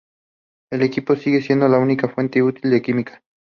El quino sigue siendo la única fuente útil de quinina.